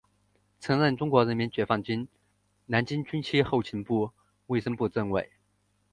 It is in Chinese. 曾任中国人民解放军南京军区后勤部卫生部政委。